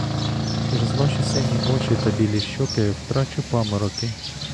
Через ваші сині очі та білі щоки втрачу памороки!